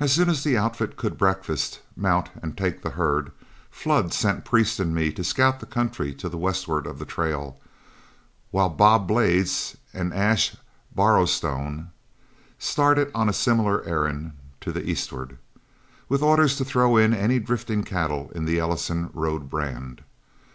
As soon as the outfit could breakfast, mount, and take the herd, Flood sent Priest and me to scout the country to the westward of the trail, while Bob Blades and Ash Borrowstone started on a similar errand to the eastward, with orders to throw in any drifting cattle in the Ellison road brand.